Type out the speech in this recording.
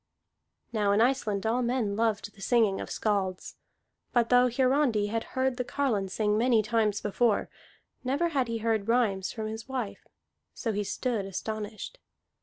Now in Iceland all men loved the singing of skalds; but though Hiarandi had heard the carline sing many times before, never had he heard rhymes from his wife. So he stood astonished.